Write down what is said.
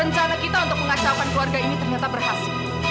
rencana kita untuk mengacaukan keluarga ini ternyata berhasil